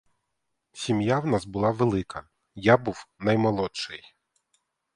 Сім'я в нас була велика, я був наймолодший.